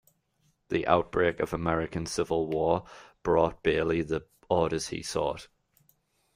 The outbreak of the American Civil War brought Bailey the orders he sought.